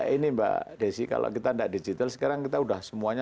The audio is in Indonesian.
ini mbak desi kalau kita tidak digital sekarang kita sudah semuanya